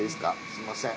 すいません